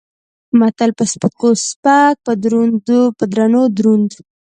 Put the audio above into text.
متل: په سپکو سپک په درونو دروند.